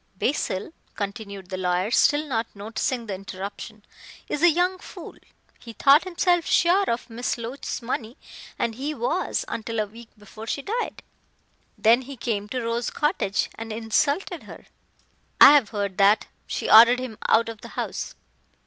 "Basil;" continued the lawyer, still not noticing the interruption, "is a young fool. He thought himself sure of Miss Loach's money and he was until a week before she died. Then he came to Rose Cottage and insulted her " "I have heard that. She ordered him out of the house."